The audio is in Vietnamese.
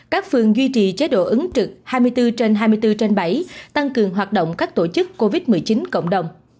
các phường duy trì chế độ ứng trực hai mươi bốn trên hai mươi bốn trên bảy tăng cường hoạt động các tổ chức covid một mươi chín cộng đồng